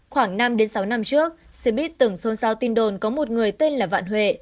khoảng năm sáu năm trước xếp ít từng xôn xao tin đồn có một người tên là vạn huệ